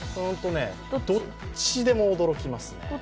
どっちでも驚きますね。